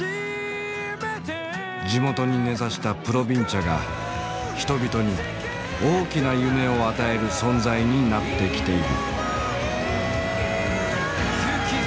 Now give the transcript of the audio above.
地元に根ざしたプロヴィンチャが人々に大きな夢を与える存在になってきている。